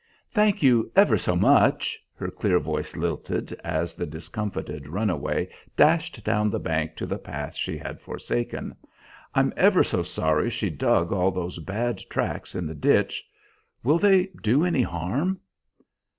"Thank you ever so much!" her clear voice lilted, as the discomfited runaway dashed down the bank to the path she had forsaken. "I'm ever so sorry she dug all those bad tracks in the ditch. Will they do any harm?"